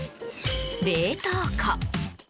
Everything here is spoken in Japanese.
冷凍庫。